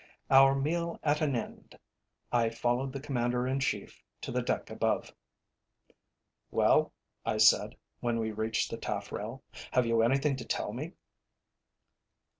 Our meal at an end, I followed the Commander in Chief to the deck above. "Well," I said, when we reached the taffrail, "have you anything to tell me?"